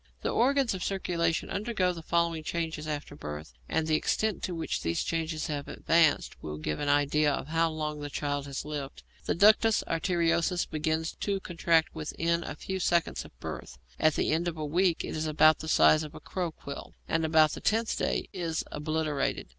The organs of circulation undergo the following changes after birth, and the extent to which these changes have advanced will give an idea of how long the child has lived: The ductus arteriosus begins to contract within a few seconds of birth; at the end of a week it is about the size of a crow quill, and about the tenth day is obliterated.